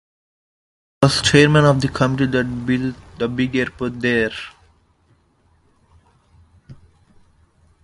I was chairman of the committee that built the big airport there.